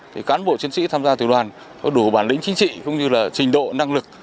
thì cán bộ chiến sĩ tham gia từ đoàn có đủ bản lĩnh chính trị cũng như là trình độ năng lực